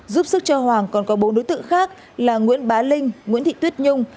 giúp sức cho hoàng còn có bốn đối tượng khác là nguyễn bá linh nguyễn thị tuyết nhung